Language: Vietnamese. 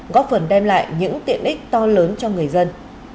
góp phần đem lại những tiện ích to lớn cho người dân